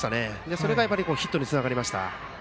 それがヒットにつながりました。